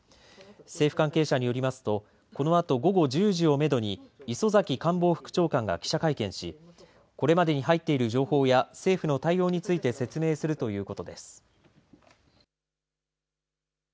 政府関係者によりますと、このあと、午後１０時をめどに磯崎官房副長官が記者会見しこれまでに入っている情報や政府の対応について説明するということです。